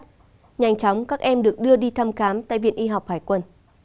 nhanh chóng các em được đưa đi thăm khám tại viện y học hải quân